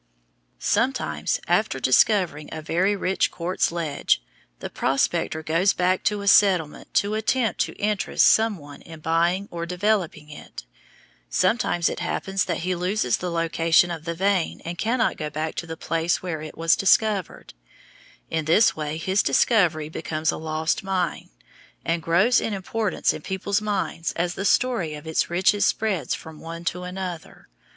Sometimes, after discovering a very rich quartz ledge, the prospector goes back to a settlement to attempt to interest some one in buying or developing it. Sometimes it happens that he loses the location of the vein and cannot go back to the place where it was discovered. In this way his discovery becomes a "lost mine," and grows in importance in people's minds as the story of its riches spreads from one to another.